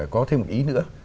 có thêm một ý nữa